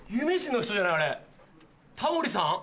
タモリさん？